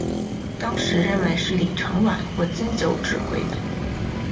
当时认为是李承晚或金九指挥的。